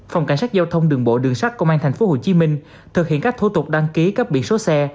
phòng cảnh sát giao thông đường bộ đường sát công an tp hcm thực hiện các thủ tục đăng ký cấp biển số xe